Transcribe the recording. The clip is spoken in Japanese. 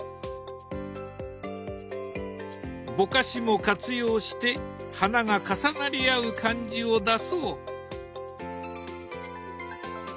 ぼかしも活用して花が重なり合う感じを出そう。